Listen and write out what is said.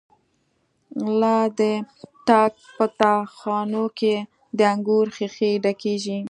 لا د تاک په تا خانو کی، د انگور ښیښی ډکیږی